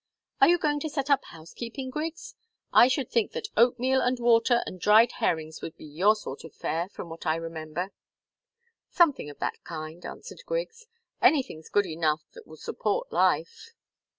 Are you going to set up housekeeping, Griggs? I should think that oatmeal and water and dried herrings would be your sort of fare, from what I remember." "Something of that kind," answered Griggs. "Anything's good enough that will support life."